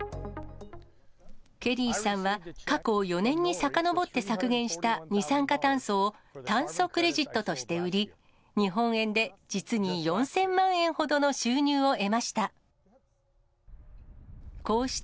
ケリーさんは、過去４年にさかのぼって削減した二酸化炭素を炭素クレジットとして売り、日本円で実に４０００万円ほどの収入を得ました。